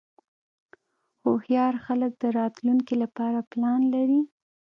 هوښیار خلک د راتلونکې لپاره پلان لري.